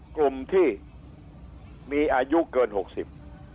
กลุ่มที่มีอายุเกินหกสิบ